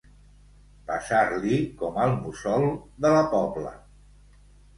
Passar-li com al mussol de la Pobla.